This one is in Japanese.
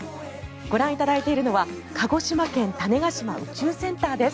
ご覧いただいているのは鹿児島県・種子島宇宙センターです。